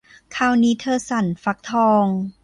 คราวนี้เธอสั่นฟักทอง